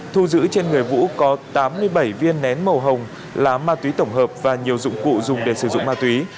thu giữ trên người vũ có tám mươi bảy viên nén màu hồng là ma túy tổng hợp và nhiều dụng cụ dùng để sử dụng ma túy